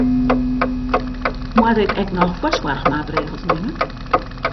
Moat ik ek noch foarsoarchmaatregels nimme?